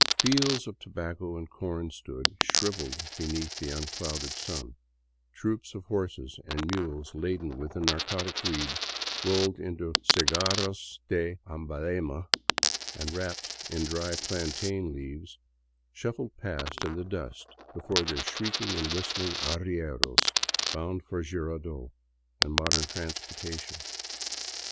Fields of tobacco and corn stood shriveled beneath the un clouded sun ; troops of horses and mules laden with the narcotic weed, rolled into cigarros de Amhalema and wrapped in dry plantain leaves, shuffled past in the dust before their shrieking and whistling arrieros, bound for Jirardot and modern transportation.